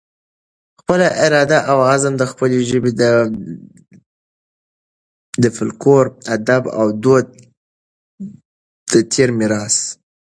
خپله اراده اوعزم د خپلې ژبې د فلکلور، ادب اودود د تیر میراث